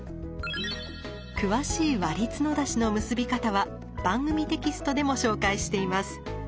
詳しい「割り角出し」の結び方は番組テキストでも紹介しています。